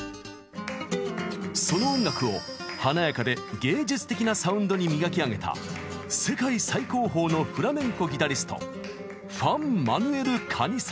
その音楽を華やかで芸術的なサウンドに磨き上げた世界最高峰のフラメンコギタリスト